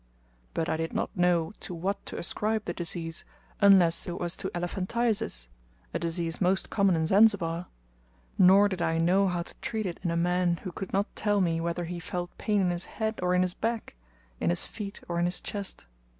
But I did not know to what to ascribe the disease, unless it was to elephantiasis a disease most common in Zanzibar; nor did I know how to treat it in a man who, could not tell me whether he felt pain in his head or in his back, in his feet or in his chest.